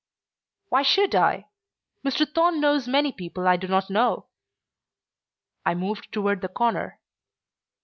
"Why should I? Mr. Thorne knows many people I do not know." I moved toward the corner.